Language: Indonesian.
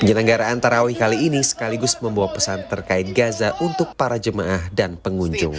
penyelenggaraan tarawih kali ini sekaligus membawa pesan terkait gaza untuk para jemaah dan pengunjung